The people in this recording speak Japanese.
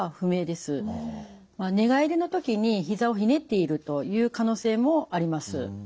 寝返りの時にひざをひねっているという可能性もあります。